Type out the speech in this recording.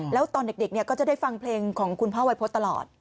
แล้วตอนเด็กก็จะได้ฟังเพลงของคุณพ่อวัยพฤษตลอด